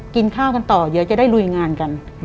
กินข้ากันต่อเยอะจะได้รุยงานกัน